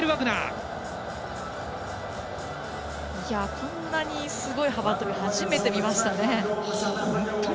こんなにすごい幅跳び初めて見ましたね。